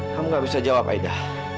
kamu gak bisa jawab aidah